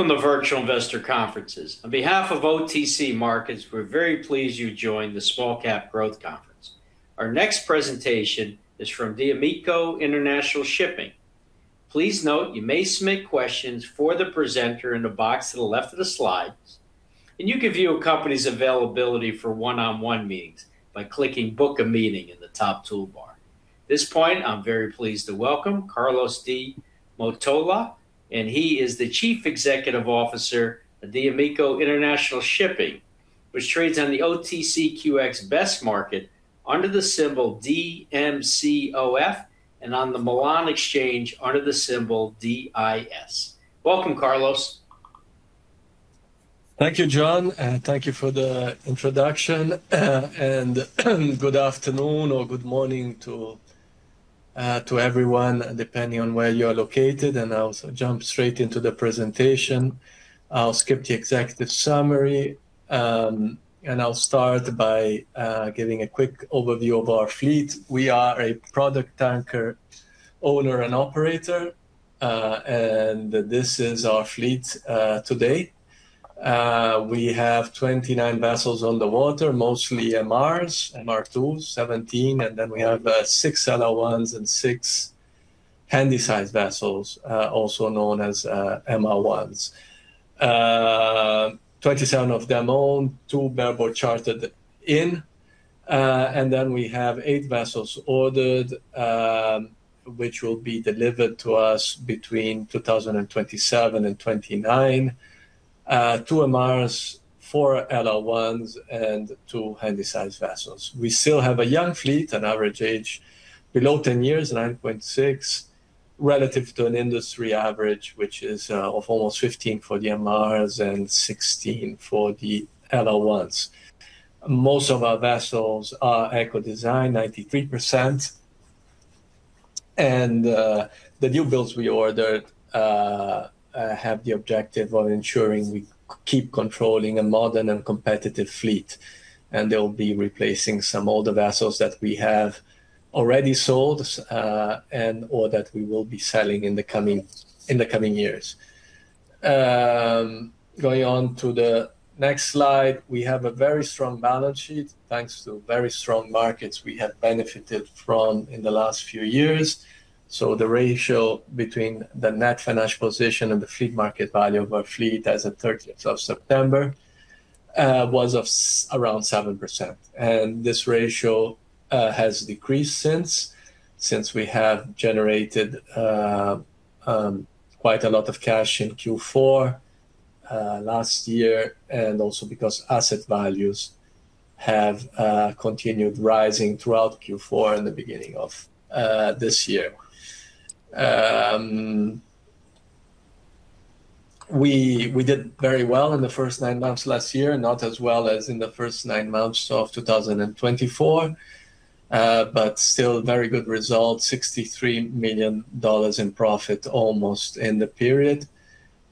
Welcome to Virtual Investor Conferences. On behalf of OTC Markets, we're very pleased you joined the Small Cap Growth Conference. Our next presentation is from D'Amico International Shipping. Please note, you may submit questions for the presenter in the box to the left of the slides, and you can view a company's availability for one-on-one meetings by clicking Book a Meeting in the top toolbar. At this point, I'm very pleased to welcome Carlos Di Mottola, and he is the Chief Executive Officer of D'Amico International Shipping, which trades on the OTCQX Best Market under the symbol DMCOF, and on the Milan Exchange under the symbol DIS. Welcome, Carlos. Thank you, John, and thank you for the introduction, and good afternoon or good morning to everyone, depending on where you are located, and I'll jump straight into the presentation. I'll skip the executive summary, and I'll start by giving a quick overview of our fleet. We are a product tanker owner and operator, and this is our fleet today. We have 29 vessels on the water, mostly MRs, MR2, 17, and then we have six LR1s and six Handysize vessels, also known as MR1s. 27 of them owned, two bareboat chartered in, and then we have eight vessels ordered, which will be delivered to us between 2027 and 2029, two MRs, four LR1s, and two Handysize vessels. We still have a young fleet, an average age below 10 years, 9.6, relative to an industry average, which is of almost 15 for the MRs and 16 for the LR1s. Most of our vessels are eco-designed, 93%, and the new builds we ordered have the objective of ensuring we keep controlling a modern and competitive fleet, and they will be replacing some older vessels that we have already sold and or that we will be selling in the coming years. Going on to the next slide, we have a very strong balance sheet, thanks to very strong markets we have benefited from in the last few years. The ratio between the Net Financial Position and the fleet market value of our fleet as at the 13th of September was around 7%, and this ratio has decreased since we have generated quite a lot of cash in Q4 last year, and also because asset values have continued rising throughout Q4 and the beginning of this year. We did very well in the first nine months last year, not as well as in the first nine months of 2024, but still very good result, $63 million in profit almost in the period.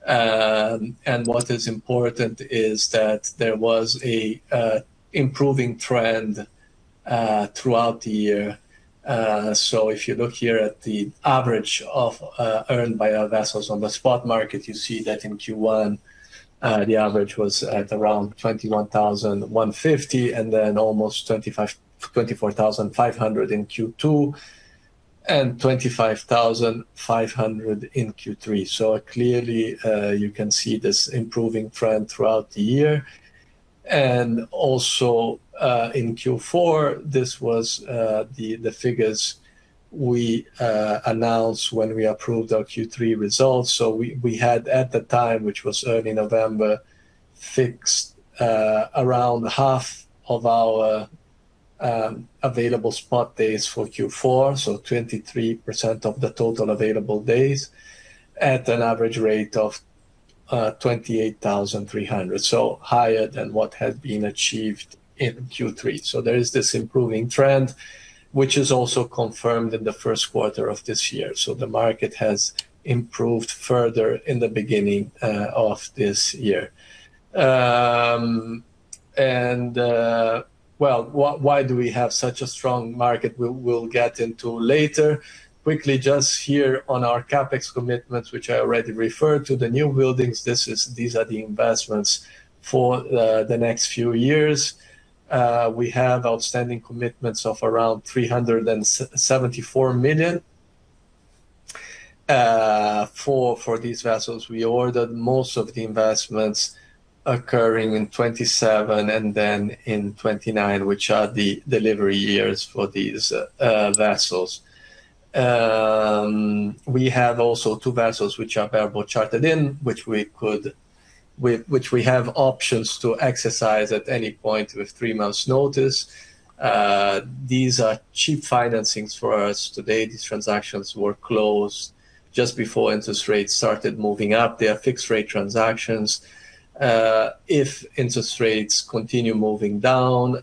And what is important is that there was an improving trend throughout the year. So if you look here at the average of earned by our vessels on the spot market, you see that in Q1, the average was at around $21,150, and then almost $25,000, $24,500 in Q2, and $25,500 in Q3. So clearly, you can see this improving trend throughout the year. And also, in Q4, this was the figures we announced when we approved our Q3 results. So we had, at the time, which was early November, fixed around half of our available spot days for Q4, so 23% of the total available days, at an average rate of $28,300. So higher than what had been achieved in Q3. So there is this improving trend, which is also confirmed in the first quarter of this year. So the market has improved further in the beginning of this year. Well, why do we have such a strong market? We'll get into later. Quickly, just here on our CapEx commitments, which I already referred to, the newbuildings, this is—these are the investments for the next few years. We have outstanding commitments of around $374 million for these vessels. We ordered most of the investments occurring in 2027 and then in 2029, which are the delivery years for these vessels. We have also two vessels, which are bareboat chartered in, which we could... With which we have options to exercise at any point with three months' notice. These are cheap financings for us today. These transactions were closed just before interest rates started moving up. They are fixed-rate transactions. If interest rates continue moving down,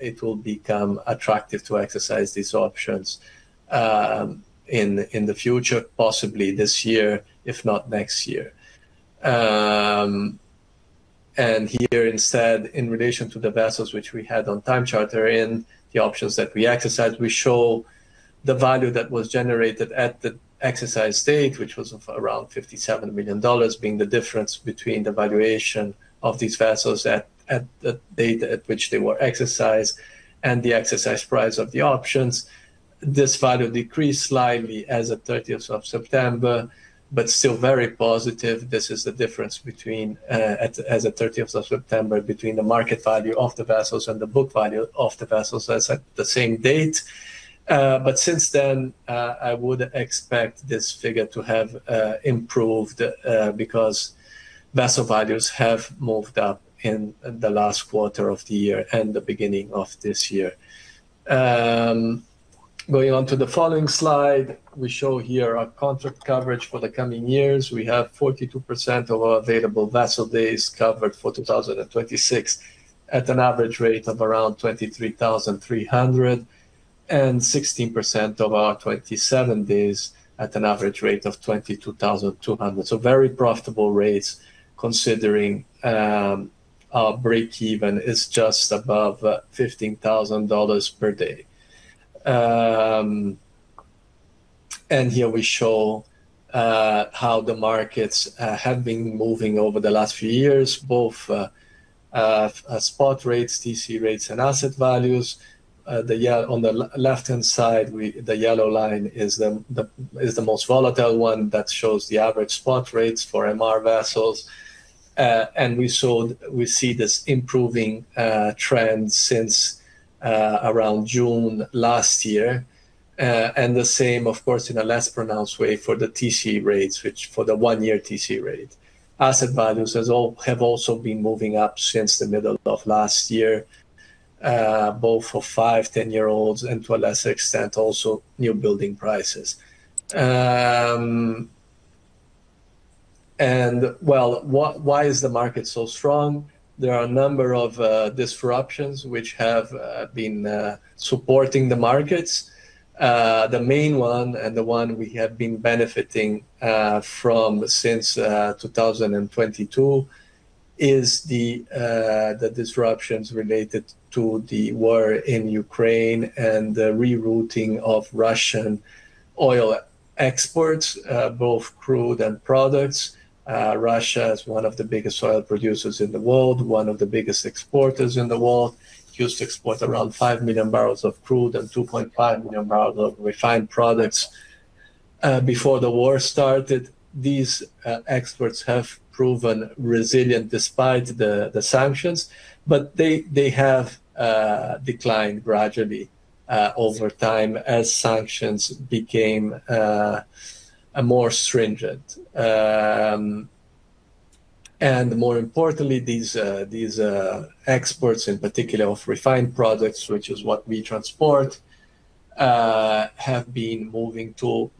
it will become attractive to exercise these options, in, in the future, possibly this year, if not next year. And here instead, in relation to the vessels which we had on time charter in, the options that we exercised, we show the value that was generated at the exercise date, which was of around $57 million, being the difference between the valuation of these vessels at, at the date at which they were exercised and the exercise price of the options. This value decreased slightly as at 30th of September, but still very positive. This is the difference between, at, as at 30th of September, between the market value of the vessels and the book value of the vessels, that's at the same date. But since then, I would expect this figure to have improved, because vessel values have moved up in the last quarter of the year and the beginning of this year. Going on to the following slide, we show here our contract coverage for the coming years. We have 42% of our available vessel days covered for 2026, at an average rate of around $23,300, and 16% of our 2027 days at an average rate of $22,200. So very profitable rates, considering our break-even is just above $15,000 per day. Here we show how the markets have been moving over the last few years, both spot rates, TC rates, and asset values. On the left-hand side, the yellow line is the most volatile one, that shows the average spot rates for MR vessels. And we see this improving trend since around June last year. And the same, of course, in a less pronounced way for the TC rates, which for the one year TC rate. Asset values have also been moving up since the middle of last year, both for five, 10-year-olds and to a lesser extent, also new building prices. And well, why is the market so strong? There are a number of disruptions which have been supporting the markets. The main one, and the one we have been benefiting from since 2022, is the disruptions related to the war in Ukraine and the rerouting of Russian oil exports, both crude and products. Russia is one of the biggest oil producers in the world, one of the biggest exporters in the world. Used to export around 5 million barrels of crude and 2.5 million barrels of refined products before the war started. These exports have proven resilient despite the sanctions, but they have declined gradually over time as sanctions became more stringent. And more importantly, these exports, in particular of refined products, which is what we transport, have been moving to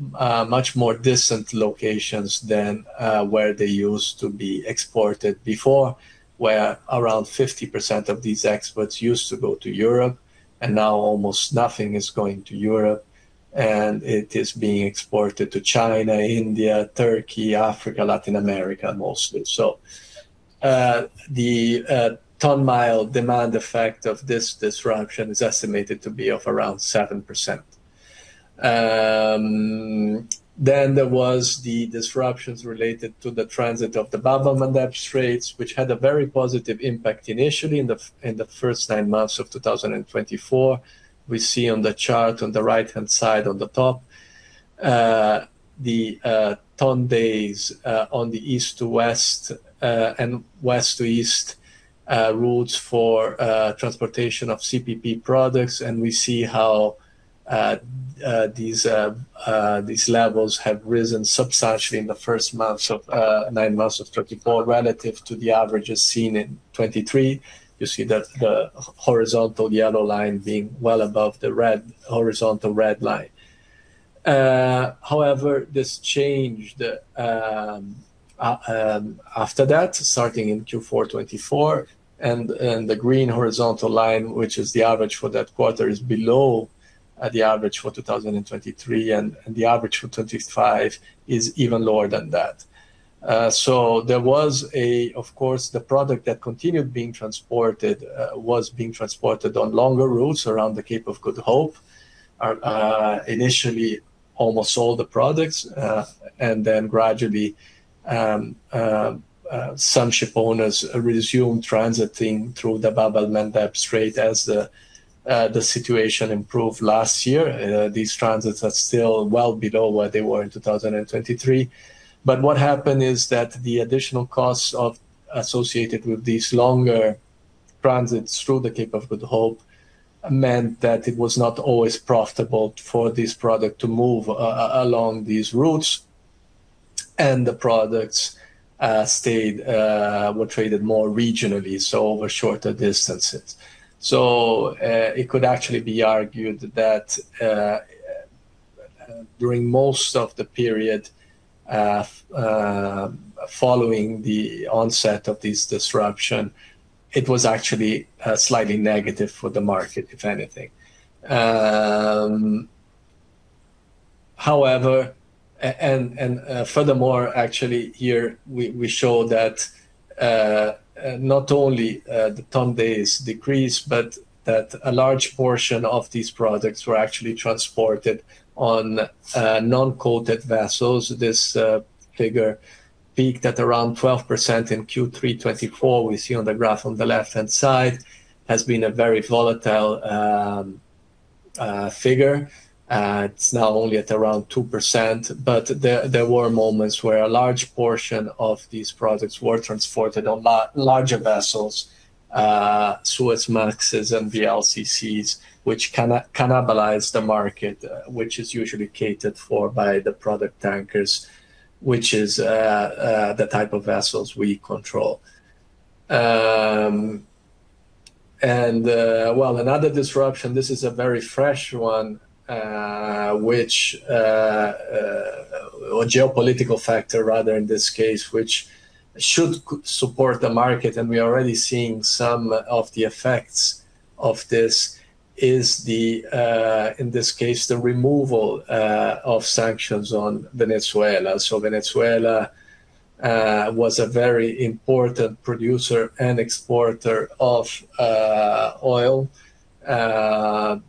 much more distant locations than where they used to be exported before, where around 50% of these exports used to go to Europe, and now almost nothing is going to Europe, and it is being exported to China, India, Turkey, Africa, Latin America, mostly. So, the ton-mile demand effect of this disruption is estimated to be of around 7%. Then there was the disruptions related to the transit of the Bab el-Mandeb Strait, which had a very positive impact initially in the first nine months of 2024. We see on the chart on the right-hand side, on the top, the ton days on the east to west and west to east routes for transportation of CPP products. We see how these levels have risen substantially in the first nine months of 2024, relative to the averages seen in 2023. You see that the horizontal yellow line being well above the horizontal red line. However, this changed after that, starting in Q4 2024, and the green horizontal line, which is the average for that quarter, is below the average for 2023, and the average for 2025 is even lower than that. So there was, of course, the product that continued being transported, was being transported on longer routes around the Cape of Good Hope. Initially, almost all the products, and then gradually, some shipowners resumed transiting through the Bab el-Mandeb Strait as the, the situation improved last year. These transits are still well below where they were in 2023. But what happened is that the additional costs associated with these longer transits through the Cape of Good Hope meant that it was not always profitable for this product to move along these routes, and the products stayed, were traded more regionally, so over shorter distances. So, it could actually be argued that, during most of the period following the onset of this disruption, it was actually slightly negative for the market, if anything. However, furthermore, actually, here we show that not only the ton days decrease, but that a large portion of these products were actually transported on non-coated vessels. This figure peaked at around 12% in Q3 2024. We see on the graph on the left-hand side has been a very volatile figure. It's now only at around 2%, but there were moments where a large portion of these products were transported on larger vessels, Suezmaxes and VLCCs, which can cannibalize the market, which is usually catered for by the product tankers, which is the type of vessels we control. Well, another disruption, this is a very fresh one, or geopolitical factor rather in this case, which should support the market, and we are already seeing some of the effects of this, is the, in this case, the removal of sanctions on Venezuela. So Venezuela was a very important producer and exporter of oil before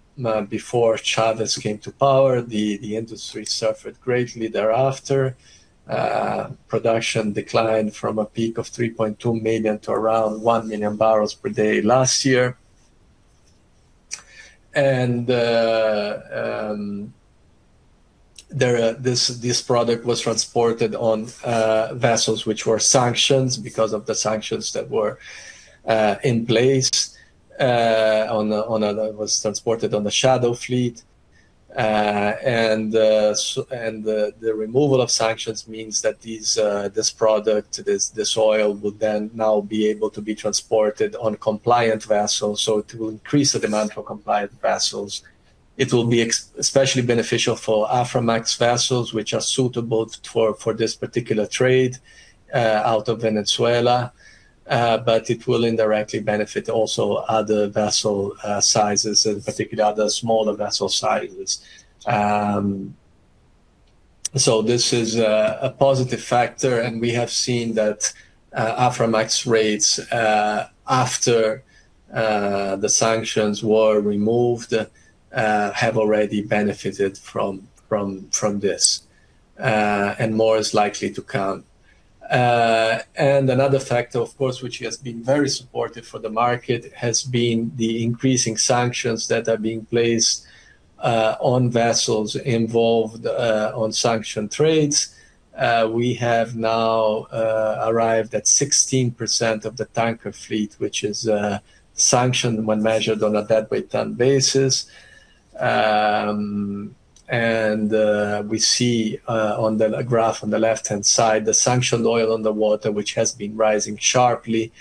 Chávez came to power. The industry suffered greatly thereafter. Production declined from a peak of 3.2 million to around 1 million barrels per day last year. And there, this product was transported on vessels which were sanctioned because of the sanctions that were in place, on a, on a-- It was transported on the shadow fleet. And the removal of sanctions means that these, this product, this oil, would then now be able to be transported on compliant vessels, so it will increase the demand for compliant vessels. It will be especially beneficial for Aframax vessels, which are suitable for this particular trade, out of Venezuela, but it will indirectly benefit also other vessel sizes, in particular, the smaller vessel sizes. So this is a positive factor, and we have seen that Aframax rates after the sanctions were removed have already benefited from this, and more is likely to come. And another factor, of course, which has been very supportive for the market, has been the increasing sanctions that are being placed on vessels involved in sanctioned trades. We have now arrived at 16% of the tanker fleet, which is sanctioned when measured on a deadweight ton basis. We see on the graph on the left-hand side, the sanctioned oil on the water, which has been rising sharply,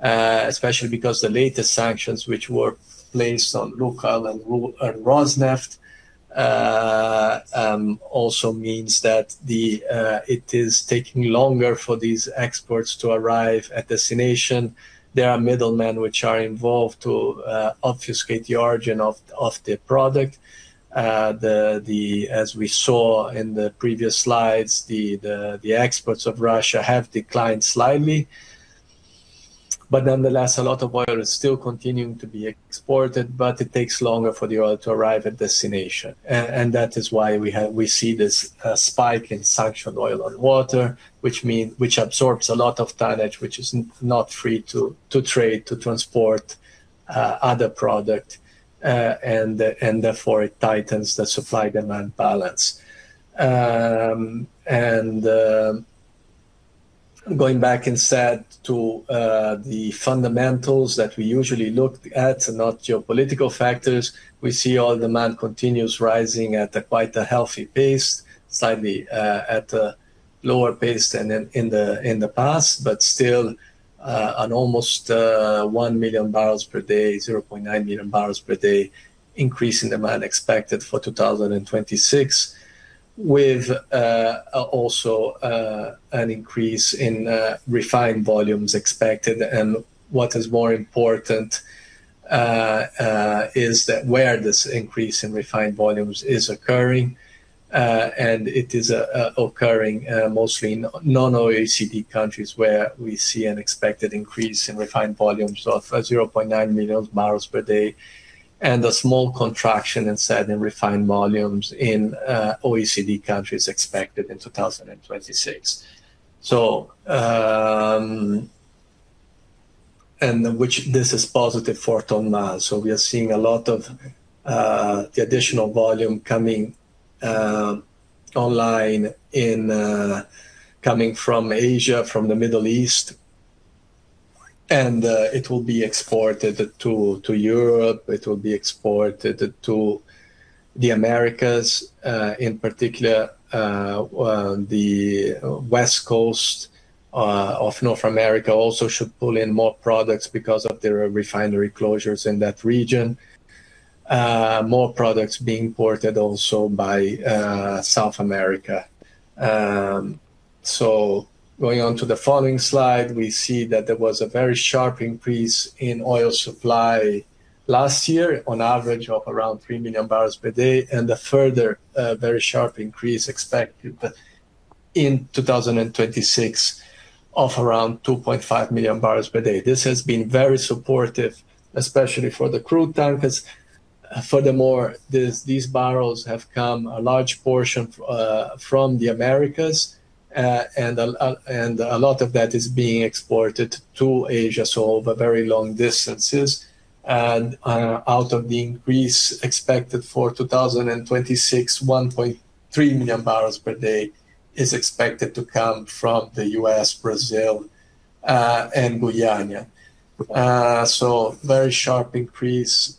especially because the latest sanctions, which were placed on Lukoil and Rosneft, also means that it is taking longer for these exports to arrive at destination. There are middlemen which are involved to obfuscate the origin of the product. The exports of Russia have declined slightly, but nonetheless, a lot of oil is still continuing to be exported, but it takes longer for the oil to arrive at destination. That is why we see this spike in sanctioned oil on water, which means, which absorbs a lot of tonnage, which is not free to trade, to transport other product, and therefore, it tightens the supply-demand balance. Going back instead to the fundamentals that we usually look at and not geopolitical factors, we see oil demand continues rising at a quite healthy pace, slightly at a lower pace than in the past, but still an almost 1 million barrels per day, 0.9 million barrels per day increase in demand expected for 2026, with also an increase in refined volumes expected. What is more important is that where this increase in refined volumes is occurring, and it is occurring mostly in non-OECD countries, where we see an expected increase in refined volumes of 0.9 million barrels per day, and a small contraction instead in refined volumes in OECD countries expected in 2026. So, and which this is positive for ton-miles. So we are seeing a lot of the additional volume coming online in coming from Asia, from the Middle East, and it will be exported to Europe, it will be exported to the Americas, in particular, well, the West Coast of North America also should pull in more products because of their refinery closures in that region. More products being imported also by South America. So going on to the following slide, we see that there was a very sharp increase in oil supply last year, on average of around 3 million barrels per day, and a further, very sharp increase expected, but in 2026, of around 2.5 million barrels per day. This has been very supportive, especially for the crude tankers. Furthermore, these barrels have come a large portion from the Americas, and a lot of that is being exported to Asia, so over very long distances. And, out of the increase expected for 2026, 1.3 million barrels per day is expected to come from the US, Brazil, and Guyana. So very sharp increase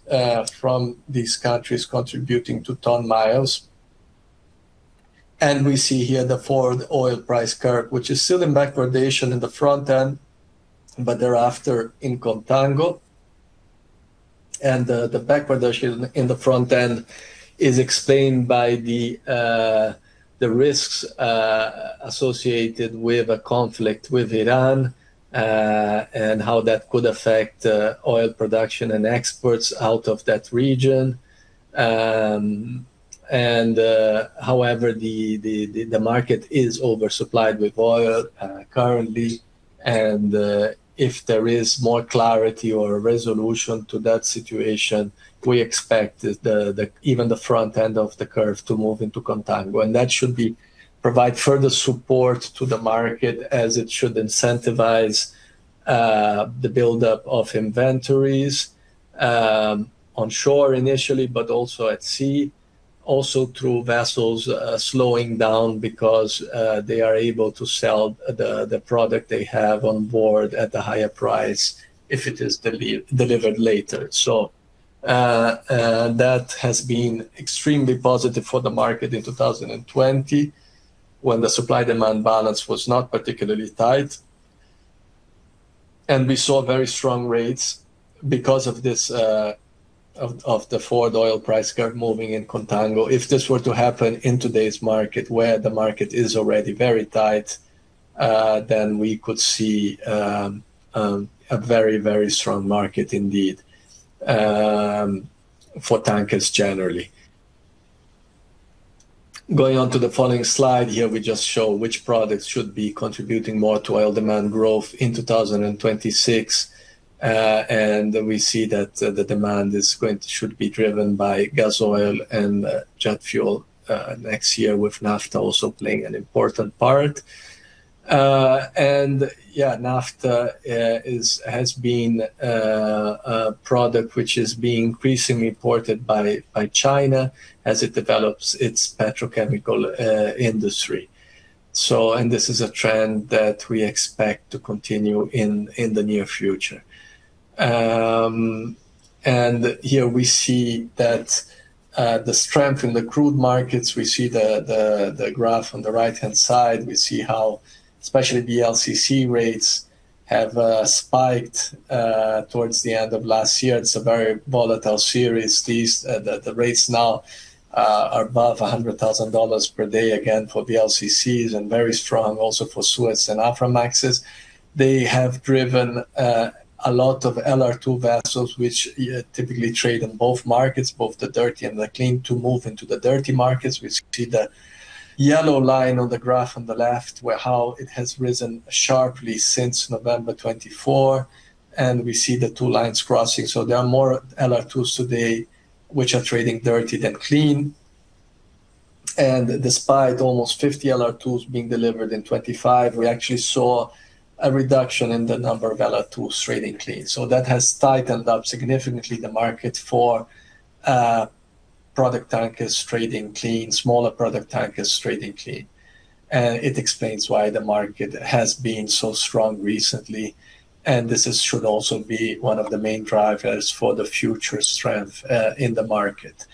from these countries contributing to ton-miles. We see here the forward oil price curve, which is still in backwardation in the front end, but thereafter in contango. The backwardation in the front end is explained by the risks associated with a conflict with Iran, and how that could affect oil production and exports out of that region. However, the market is oversupplied with oil currently, and if there is more clarity or resolution to that situation, we expect even the front end of the curve to move into contango. That should be provide further support to the market, as it should incentivize the buildup of inventories onshore initially, but also at sea. Also, through vessels slowing down because they are able to sell the product they have on board at a higher price if it is delivered later. So, that has been extremely positive for the market in 2020, when the supply-demand balance was not particularly tight. And we saw very strong rates because of this, of the forward oil price curve moving in contango. If this were to happen in today's market, where the market is already very tight, then we could see a very, very strong market indeed for tankers generally. Going on to the following slide, here we just show which products should be contributing more to oil demand growth in 2026. And we see that the demand should be driven by Gasoil and Jet Fuel next year, with Naphtha also playing an important part. Yeah, Naphtha has been a product which is being increasingly imported by China as it develops its petrochemical industry. So, this is a trend that we expect to continue in the near future. And here we see that the strength in the crude markets, we see the graph on the right-hand side. We see how, especially VLCC rates have spiked towards the end of last year. It's a very volatile series, these rates now are above $100,000 per day, again, for VLCCs, and very strong also for Suezmax and Aframaxes. They have driven a lot of LR2 vessels, which typically trade in both markets, both the dirty and the clean, to move into the dirty markets. We see the yellow line on the graph on the left, where how it has risen sharply since November 2024, and we see the two lines crossing. So there are more LR2s today which are trading dirty than clean. And despite almost 50 LR2s being delivered in 2025, we actually saw a reduction in the number of LR2s trading clean. So that has tightened up significantly the market for product tankers trading clean, smaller product tankers trading clean. And it explains why the market has been so strong recently, and this should also be one of the main drivers for the future strength in the market.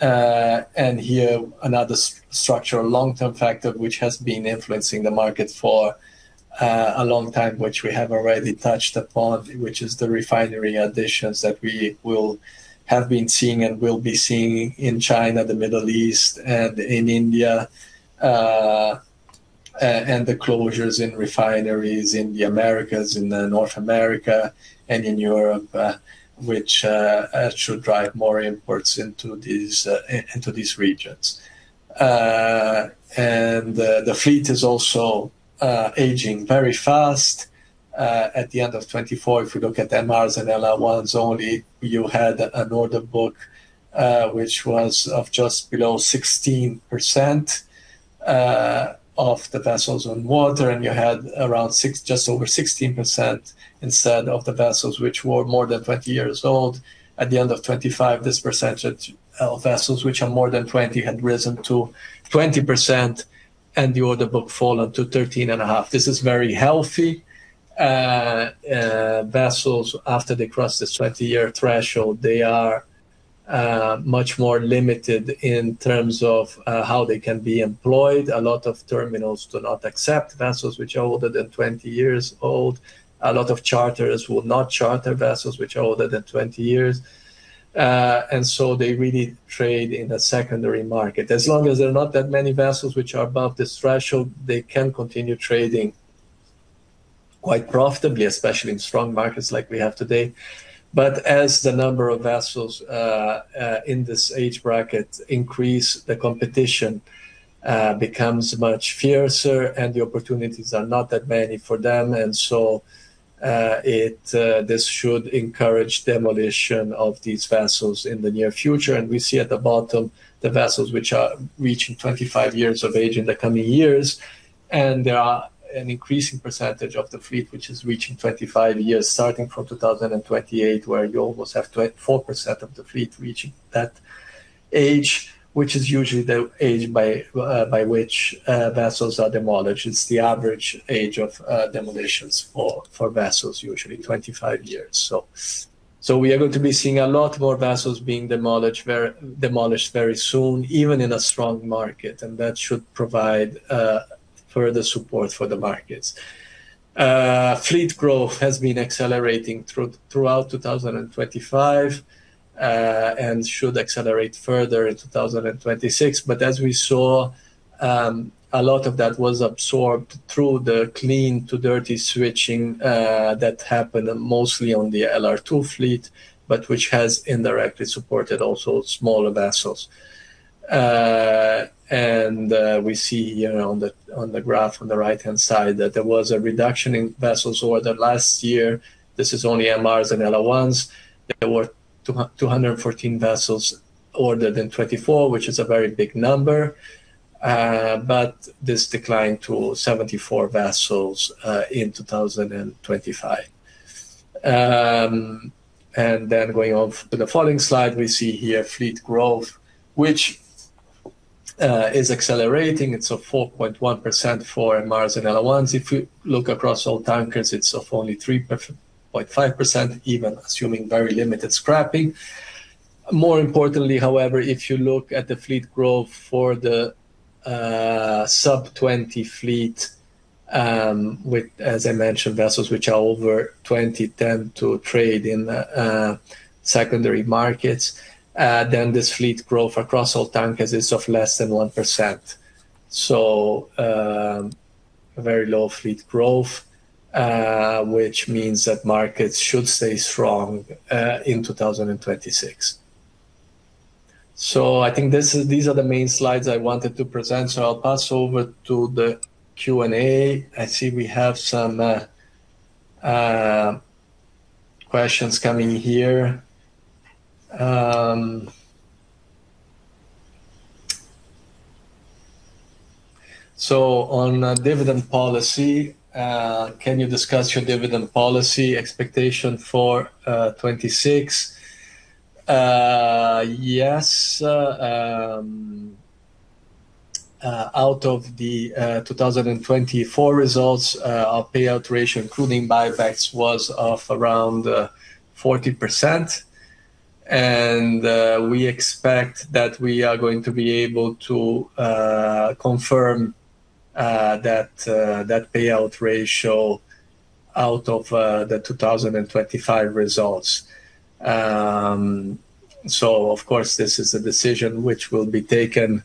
Here, another structural long-term factor, which has been influencing the market for a long time, which we have already touched upon, which is the refinery additions that we will have been seeing and will be seeing in China, the Middle East, and in India. And the closures in refineries in the Americas, in North America, and in Europe, which should drive more imports into these regions. And the fleet is also aging very fast. At the end of 2024, if you look at MRs and LR1s only, you had an order book, which was of just below 16% of the vessels on water, and you had around six, just over 16% instead of the vessels which were more than 20 years old. At the end of 25, this percentage, vessels, which are more than 20, had risen to 20%, and the order book fallen to 13.5. This is very healthy. Vessels, after they cross the 20-year threshold, they are much more limited in terms of how they can be employed. A lot of terminals do not accept vessels which are older than 20 years old. A lot of charters will not charter vessels which are older than 20 years, and so they really trade in a secondary market. As long as there are not that many vessels which are above this threshold, they can continue trading quite profitably, especially in strong markets like we have today. But as the number of vessels in this age bracket increase, the competition becomes much fiercer, and the opportunities are not that many for them. And so, this should encourage demolition of these vessels in the near future, and we see at the bottom, the vessels which are reaching 25 years of age in the coming years. And there are an increasing percentage of the fleet, which is reaching 25 years, starting from 2028, where you almost have 4% of the fleet reaching that age, which is usually the age by which vessels are demolished. It's the average age of demolitions for vessels, usually 25 years. So we are going to be seeing a lot more vessels being demolished very soon, even in a strong market, and that should provide further support for the markets. Fleet growth has been accelerating throughout 2025, and should accelerate further in 2026. But as we saw, a lot of that was absorbed through the clean to dirty switching that happened mostly on the LR2 fleet, but which has indirectly supported also smaller vessels. And we see, you know, on the graph on the right-hand side, that there was a reduction in vessels ordered last year. This is only MRs and LR1s. There were two hundred and fourteen vessels ordered in 2024, which is a very big number, but this declined to seventy-four vessels in 2025. And then going on to the following slide, we see here fleet growth, which is accelerating. It's a 4.1% for MRs and LR1s. If you look across all tankers, it's of only 3.5%, even assuming very limited scrapping. More importantly, however, if you look at the fleet growth for the sub-twenty fleet, with, as I mentioned, vessels which are over 2010 to trade in the secondary markets, then this fleet growth across all tankers is of less than 1%. So, a very low fleet growth, which means that markets should stay strong in 2026. So I think these are the main slides I wanted to present, so I'll pass over to the Q&A. I see we have some questions coming in here. So on dividend policy, "Can you discuss your dividend policy expectation for 2026?" Yes. Out of the 2024 results, our payout ratio, including buybacks, was of around 40%, and we expect that we are going to be able to confirm that payout ratio out of the 2025 results. So of course, this is a decision which will be taken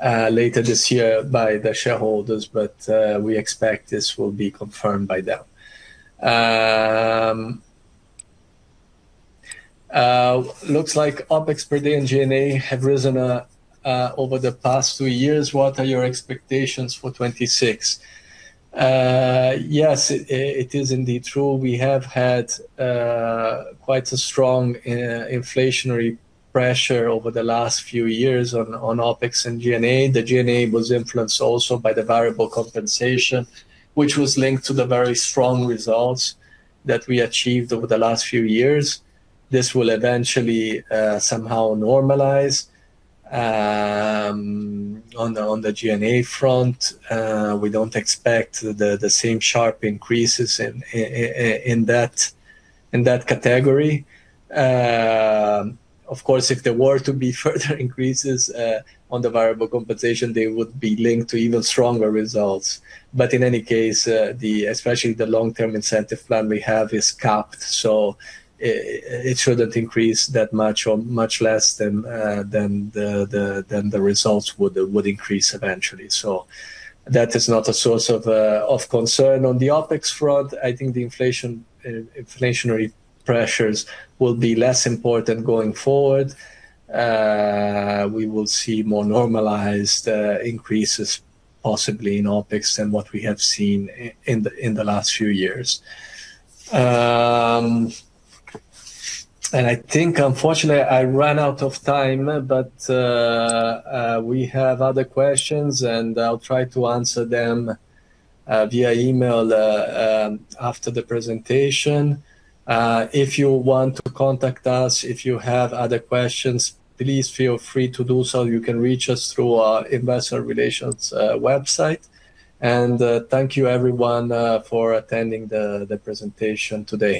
later this year by the shareholders, but we expect this will be confirmed by them. Looks like OpEx per day and G&A have risen over the past two years. What are your expectations for 2026?" Yes, it is indeed true. We have had quite a strong inflationary pressure over the last few years on OpEx and G&A. The G&A was influenced also by the variable compensation, which was linked to the very strong results that we achieved over the last few years. This will eventually somehow normalize. On the G&A front, we don't expect the same sharp increases in that category. Of course, if there were to be further increases on the variable compensation, they would be linked to even stronger results. But in any case, especially the long-term incentive plan we have is capped, so it shouldn't increase that much or much less than the results would increase eventually. So that is not a source of concern. On the OpEx front, I think the inflation, inflationary pressures will be less important going forward. We will see more normalized, increases, possibly in OpEx than what we have seen in the last few years. And I think unfortunately, I ran out of time, but we have other questions, and I'll try to answer them via email after the presentation. If you want to contact us, if you have other questions, please feel free to do so. You can reach us through our investor relations website. Thank you, everyone, for attending the presentation today.